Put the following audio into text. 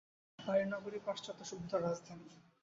পারি নগরী পাশ্চাত্য সভ্যতার রাজধানী।